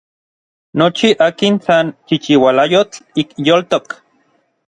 Nochi akin san chichiualayotl ik yoltok.